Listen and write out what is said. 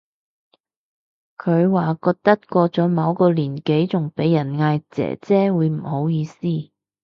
佢話覺得過咗某個年紀仲俾人嗌姐姐會唔好意思